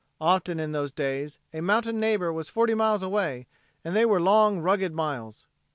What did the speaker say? Often in those days a mountain neighbor was forty miles away, and they were long rugged miles.